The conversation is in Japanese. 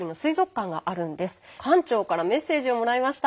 館長からメッセージをもらいました。